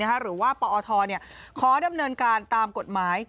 หรือว่าปอทขอดำเนินการตามกฎหมาย